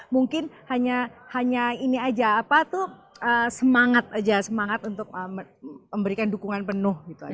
mungkin hanya ini aja apa tuh semangat aja semangat untuk memberikan dukungan penuh gitu aja